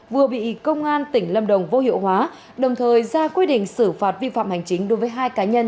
vừa bị công an tỉnh lâm đồng vô hiệu hóa đồng thời ra quy định xử phạt vi phạm hành chính đối với hai cá nhân